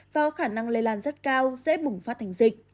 và khả năng lây lan rất cao dễ bùng phát thành dịch